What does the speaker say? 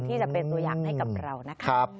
ที่จะเป็นตัวอย่างให้กับเรานะคะ